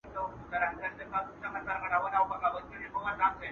خو توپیر یې .